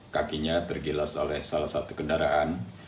kakinya tergilas oleh salah satu kendaraan